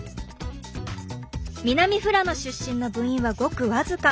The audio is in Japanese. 南富良野出身の部員はごく僅か。